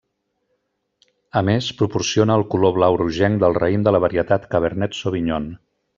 A més, proporciona el color blau rogenc del raïm de la varietat Cabernet Sauvignon.